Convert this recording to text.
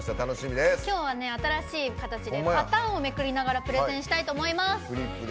今日は新しい形でパターンをめくりながらプレゼンしたいと思います。